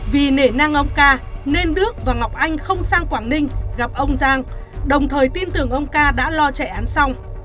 vì nể nang ông ca nên đức và ngọc anh không sang quảng ninh gặp ông giang đồng thời tin tưởng ông ca đã lo chạy án xong